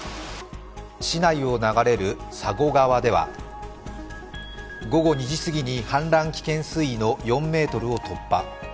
市内を流れる佐護川では午後２時過ぎに氾濫危険水位の４ｍを突破。